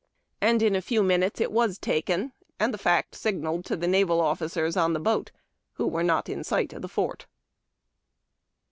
And in a few minutes it teas taken, and the fact signalled to the naval officers on the boat, who were not in sight of the fort.